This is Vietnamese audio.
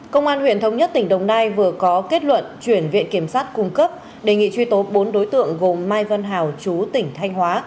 công an huyện thống nhất tỉnh đồng nai vừa có kết luận chuyển viện kiểm sát cung cấp đề nghị truy tố bốn đối tượng gồm mai văn hào chú tỉnh thanh hóa